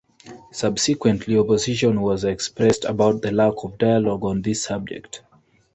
Subsequently, opposition was expressed about the lack of dialogue on this subject.